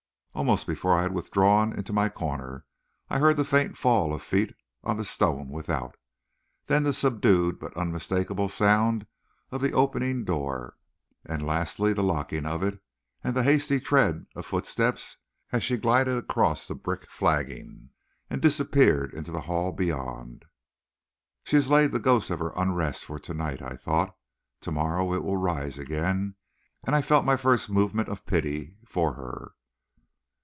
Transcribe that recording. Almost before I had withdrawn into my corner I heard the faint fall of feet on the stone without, then the subdued but unmistakable sound of the opening door, and lastly the locking of it and the hasty tread of footsteps as she glided across the brick flagging and disappeared into the hall beyond. "She has laid the ghost of her unrest for to night," thought I. "To morrow it will rise again." And I felt my first movement of pity for her.